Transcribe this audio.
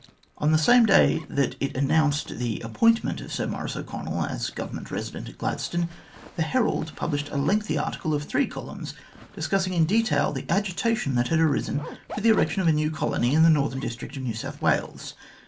On the same day that it announced the appointment of Sir Maurice O'Connell as Government Eesident at Gladstone, the Herald published a lengthy article of three columns, discussing in detail the agitation that had arisen for the erection of a new colony in the northern district of New South Wales.